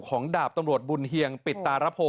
ดาบตำรวจบุญเฮียงปิดตาระโพ